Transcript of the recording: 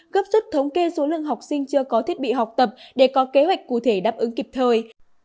gấp rút thống kê số lượng học sinh chưa có thiết bị học tập để có kế hoạch cụ thể đáp ứng kịp thời